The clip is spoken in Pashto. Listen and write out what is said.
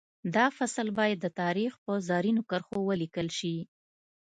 دا فصل باید د تاریخ په زرینو کرښو ولیکل شي